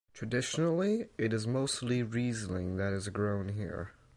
Traditionally, it is mostly Riesling that is grown here.